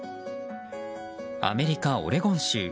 アメリカ・オレゴン州。